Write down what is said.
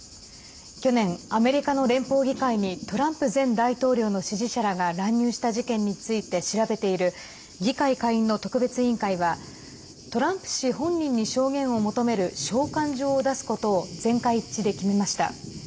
去年、アメリカの連邦議会にトランプ前大統領の支持者らが乱入した事件について調べている議会下院の特別委員会はトランプ氏本人に証言を求める召喚状を出すことを全会一致で決めました。